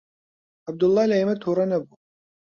عەبدوڵڵا لە ئێمە تووڕە نەبوو.